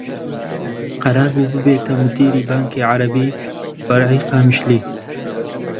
قەرار بوو ببێتە مدیری بانکی عەرەبی فەرعی قامیشلی